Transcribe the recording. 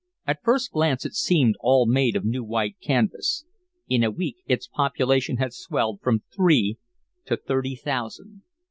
At first glance it seemed all made of new white canvas. In a week its population had swelled from three to thirty thousand.